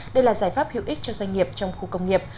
đây là giải pháp hữu ích cho doanh nghiệp trong khu công nghiệp